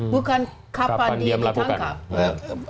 bukan kapan dia ditangkap